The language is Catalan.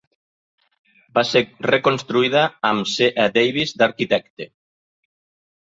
Va ser reconstruïda, amb en C. E. Davis d"arquitecte.